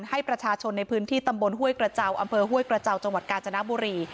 ให้ประชาชนในพื้นที่ตำบลห้วยกระเจ้าอำเภอห้วยกระเจ้าจังหวัดกาญจนบุรี